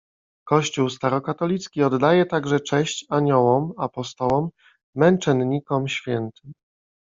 Kościół Starokatolicki oddaje także cześć aniołom, apostołom, męczennikom, świętym.